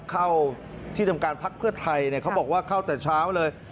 เข้าที่ทำการพักเพื่อไทยเขาบอกว่าเข้าแต่เช้าเลย